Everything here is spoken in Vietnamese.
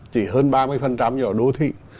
chỉ hơn ba mươi ở đô thị